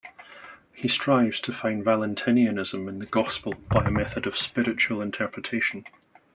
He strives to find Valentinianism in the Gospel by a method of spiritual interpretation.